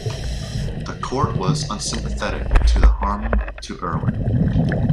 The Court was unsympathetic to the harm to Irwin.